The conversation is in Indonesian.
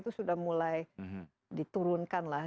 itu sudah mulai diturunkan lah